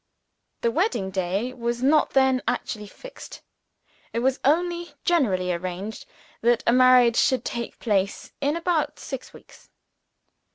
The wedding day was not then actually fixed. It was only generally arranged that the marriage should take place in about six weeks.